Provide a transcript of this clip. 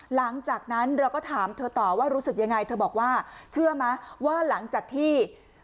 หลังจากนั้นเราก็ถามเธอต่อว่ารู้สึกยังไงเธอบอกว่าเชื่อไหมว่าหลังจากที่